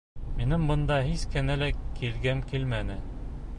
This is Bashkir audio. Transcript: Минең бында һис кенә лә килгем килмәне.